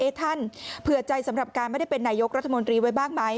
ท่านเผื่อใจสำหรับการไม่ได้เป็นนายกรัฐมนตรีไว้บ้างไหม